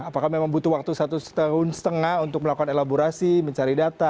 apakah memang butuh waktu satu tahun setengah untuk melakukan elaborasi mencari data